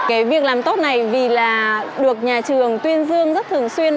cái việc làm tốt này vì là được nhà trường tuyên dương rất thường xuyên